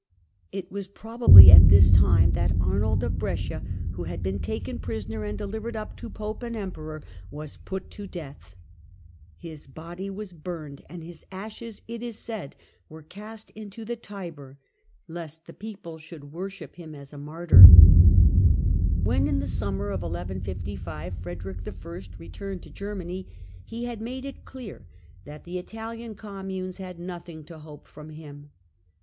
It was probably at this time Execution that Arnold of Brescia, who had been taken prisoner and of Brescia delivered up to Pope and Emperor, was put to death. His body was burned, and his ashes, it is said, were cast into the Tiber, lest the people should worship him as FREDEEICK I. AND THE LOMBARD COMMUNES 155 a martyr. When, in the summer of 1155, Frederick I. returned to Germany, he had made it clear that the Italian communes had nothing to hope from him.